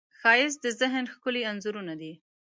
ښایست د ذهن ښکلي انځورونه دي